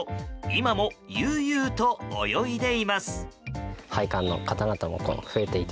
今も悠々と泳いでいます。